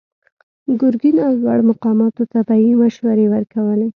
ګرګين او لوړو مقاماتو ته به يې مشورې ورکولې.